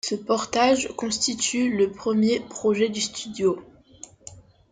Ce portage constitue le premier projet du studio.